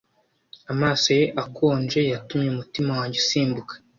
Amaso ye akonje yatumye umutima wanjye usimbuka.